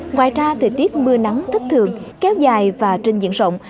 ngoài ra thời tiết mưa nắng thích thường kéo dài và trình diện rộng